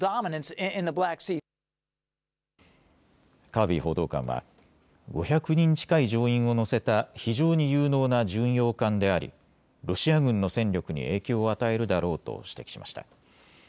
カービー報道官は５００人近い乗員を乗せた非常に有能な巡洋艦でありロシア軍の戦力に影響を与えるだろうと指摘しました。